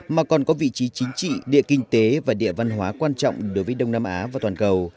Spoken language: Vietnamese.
mà còn có vị trí chính trị địa kinh tế và địa văn hóa quan trọng đối với đông nam á và toàn cầu